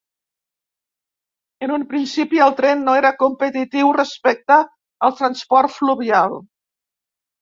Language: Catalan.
En un principi, el tren no era competitiu respecte al transport fluvial.